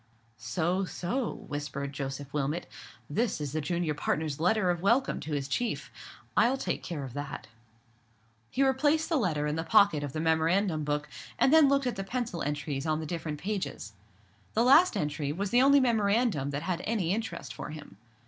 "So, so," whispered Joseph Wilmot, "this is the junior partner's letter of welcome to his chief. I'll take care of that." He replaced the letter in the pocket of the memorandum book, and then looked at the pencil entries on the different pages. The last entry was the only memorandum that had any interest for him.